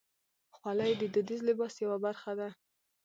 خولۍ د دودیز لباس یوه برخه ده.